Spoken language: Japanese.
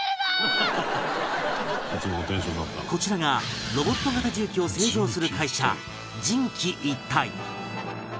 こちらがロボット型重機を製造する会社人機一体